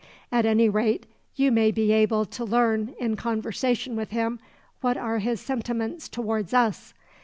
At any rate you may be able to learn, in conversation with him, what are his sentiments towards us.